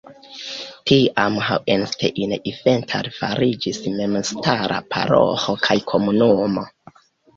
Tiam Hauenstein-Ifenthal fariĝis memstara paroĥo kaj komunumo.